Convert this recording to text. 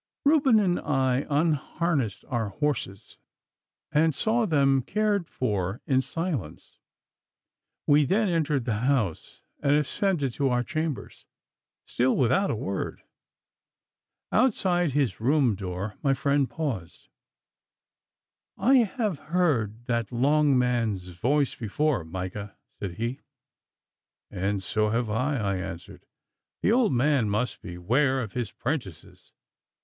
Reuben and I unharnessed our horses and saw them cared for in silence. We then entered the house and ascended to our chambers, still without a word. Outside his room door my friend paused. 'I have heard that long man's voice before, Micah,' said he. 'And so have I,' I answered. 'The old man must beware of his 'prentices.